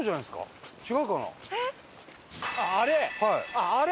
あっあれ？